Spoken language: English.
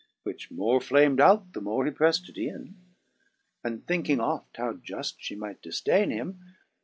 Which more flam'd out the more he preft it in ; And thinking oft how juft fhee might difdaine him.